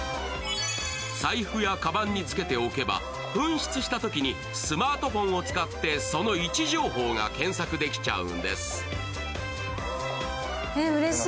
財布やかばんにつけておけば、紛失したときにスマートフォンを使って、その位置情報が検索できちゃうんです。